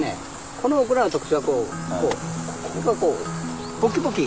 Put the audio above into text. このオクラの特徴はここがこうポキポキ。